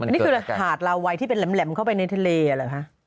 อันนี้คือหาดลาวัยที่เป็นแหลมเข้าไปในทะเลเหรอคะ